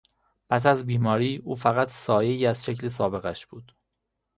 پس از بیماری او فقط سایهای از شکل سابقش بود.